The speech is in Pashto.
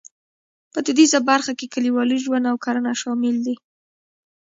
په دودیزه برخه کې کلیوالي ژوند او کرنه شامل دي.